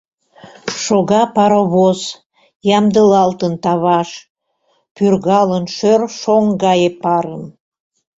Шога паровоз, ямдылалтын таваш, пӱргалын шӧр шоҥ гае парым.